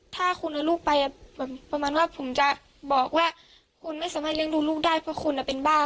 ถ้าคุณเอาลูกไปประมาณว่าผมจะบอกว่าคุณไม่สามารถเลี้ยงดูลูกได้เพราะคุณเป็นบ้า